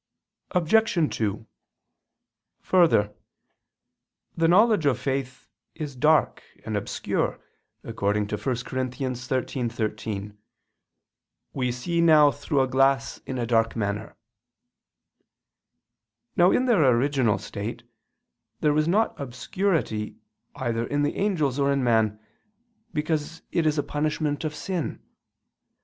Obj. 2: Further, the knowledge of faith is dark and obscure, according to 1 Cor. 13:13: "We see now through a glass in a dark manner." Now in their original state there was not obscurity either in the angels or in man, because it is a punishment of sin.